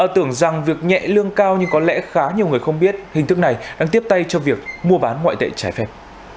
tưởng rằng việc nhẹ lương cao nhưng có lẽ khá nhiều người không biết hình thức này đang tiếp tay cho việc mua bán ngoại tệ trái phép